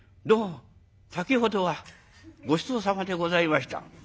『どうも先ほどはごちそうさまでございました』。